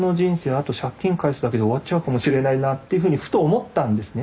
あと借金返すだけで終わっちゃうかもしれないなっていうふうにふと思ったんですね。